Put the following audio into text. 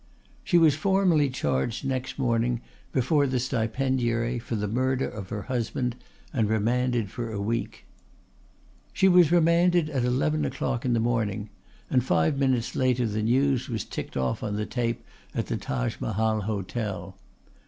She was formally charged next morning before the stipendiary for the murder of her husband and remanded for a week. She was remanded at eleven o'clock in the morning, and five minutes later the news was ticked off on the tape at the Taj Mahal Hotel.